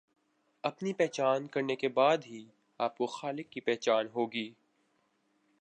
اپنی پہچان کرنے کے بعد ہی آپ کو خالق کی پہچان ہوگی